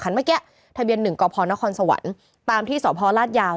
คันเมื่อกี้ทะเบียนหนึ่งกพรนครสวรรค์ตามที่สอบภอร์ราชยาว